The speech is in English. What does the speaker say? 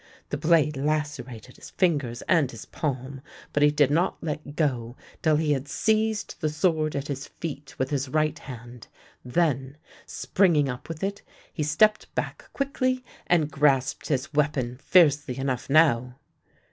The blade lacerated his fingers and his palm, but he did not let go till he had seized the sword at his feet with his right hand. Then, springing up with it, he stepped back quickly and grasped his weapon fiercely enough now.